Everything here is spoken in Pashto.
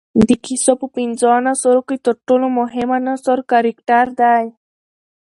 د کیسې په پنځو عناصروکښي ترټولو مهم عناصر کرکټر دئ.